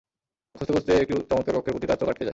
খুঁজতে খুঁজতে একটি চমৎকার কক্ষের প্রতি তার চোখ আটকে যায়।